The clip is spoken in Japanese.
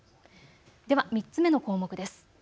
では３つ目の項目です。